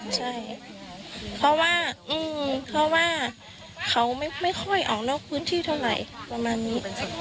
ใช่เพราะว่าเพราะว่าเขาไม่ค่อยออกนอกพื้นที่เท่าไหร่ประมาณนี้